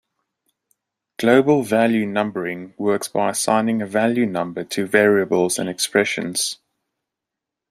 Global value numbering works by assigning a value number to variables and expressions.